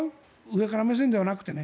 上から目線ではなくて。